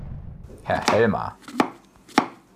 Herr Helmer!